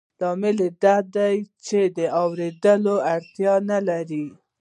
لامل یې دا دی چې د اورېدو وړتیا نه لري